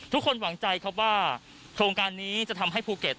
หวังใจครับว่าโครงการนี้จะทำให้ภูเก็ต